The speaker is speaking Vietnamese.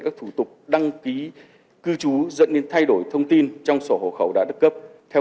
các thủ tục đăng ký cư trú dẫn đến thay đổi thông tin trong sổ hộ khẩu đã được cấp theo